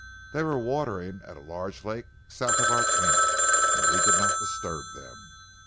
They were watering at a large lake south of our camp, and we did not disturb them.